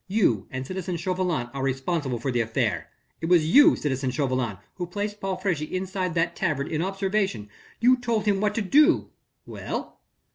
"You and citizen Chauvelin are responsible for the affair. It was you, citizen Chauvelin, who placed Paul Friche inside that tavern in observation you told him what to do...." "Well?"